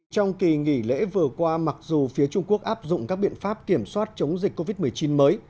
trong kỳ nghỉ lễ vừa qua mặc dù phía trung quốc áp dụng các biện pháp kiểm soát chống dịch covid một mươi chín mới